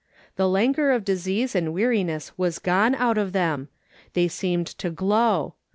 The languor of disease and weariness was gone out of them ; they seemed to glow.